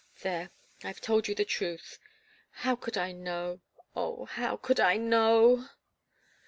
There I've told you the truth. How could I know oh, how could I know?"